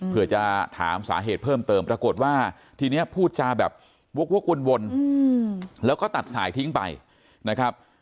เพื่อจะถามสาเหตุเพิ่มเติมปรากฏว่าทีนี้พูดจาแบบวกวนแล้วก็ตัดสายทิ้งไปนะครับ